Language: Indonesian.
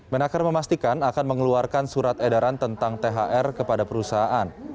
menaker memastikan akan mengeluarkan surat edaran tentang thr kepada perusahaan